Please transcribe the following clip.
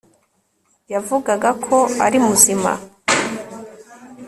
yavugaga ko ari muzima